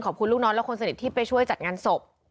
ลูกน้องและคนสนิทที่ไปช่วยจัดงานศพ